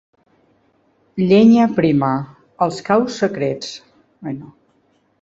Llenya Prima, Els caus secrets.